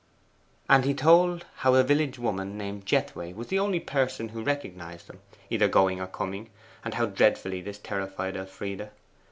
And he told how a village woman named Jethway was the only person who recognized them, either going or coming; and how dreadfully this terrified Elfride.